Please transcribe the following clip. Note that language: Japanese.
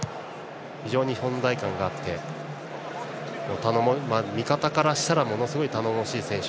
非常に存在感があって味方からしたらものすごい頼もしい選手。